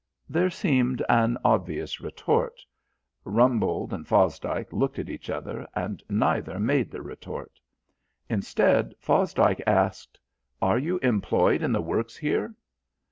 There seemed an obvious retort. Rumbold and Fosdike looked at each other, and neither made the retort. Instead, Fosdike asked: "Are you employed in the works here?"